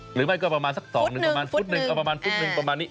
หรือไม่ก็ประมาณสักสองหนึ่งประมาณฟุตหนึ่งประมาณนี้